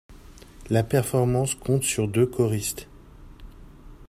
La performance compte sur deux choristes.